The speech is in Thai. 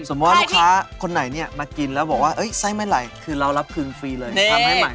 ว่าลูกค้าคนไหนเนี่ยมากินแล้วบอกว่าไส้ไม่ไหลคือเรารับคืนฟรีเลยทำให้ใหม่